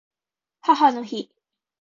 母の日